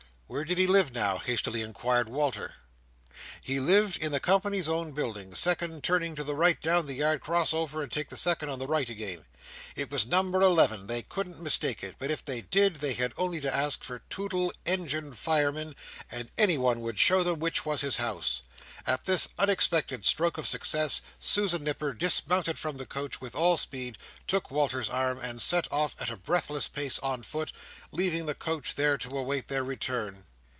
Where did he live now? hastily inquired Walter. He lived in the Company's own Buildings, second turning to the right, down the yard, cross over, and take the second on the right again. It was number eleven; they couldn't mistake it; but if they did, they had only to ask for Toodle, Engine Fireman, and any one would show them which was his house. At this unexpected stroke of success Susan Nipper dismounted from the coach with all speed, took Walter's arm, and set off at a breathless pace on foot; leaving the coach there to await their return.